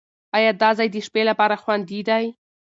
ایا دا ځای د شپې لپاره خوندي دی؟